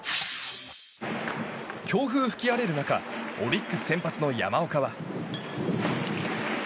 強風吹き荒れる中オリックス先発の山岡は。